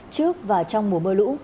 trước và trong mùa mưa lũ